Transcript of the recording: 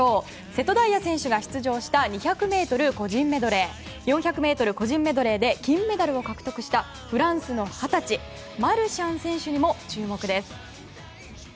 瀬戸大也選手が出場した２００ｍ個人メドレー４００ｍ個人メドレーで金メダルを獲得したフランスの二十歳マルシャン選手にも注目です。